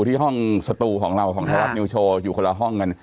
ที่ห้องสตูของเราของไทยรัฐนิวโชว์อยู่คนละห้องกัน